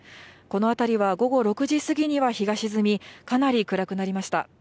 この辺りは午後６時過ぎには日が沈み、かなり暗くなりました。